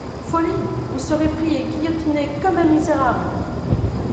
Folie! vous serez pris et guillotiné comme un misérable.